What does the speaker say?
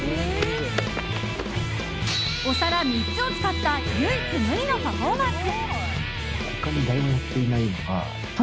お皿３つを使った唯一無二のパフォーマンス！